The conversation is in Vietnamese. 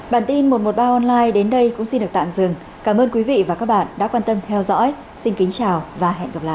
bản tin một trăm một mươi ba online đến đây cũng xin được tạm dừng cảm ơn quý vị và các bạn đã quan tâm theo dõi xin kính chào và hẹn gặp lại